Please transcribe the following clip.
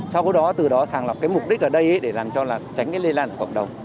sau đó từ đó sàng lọc cái mục đích ở đây để làm cho là tránh cái lây lan của cộng đồng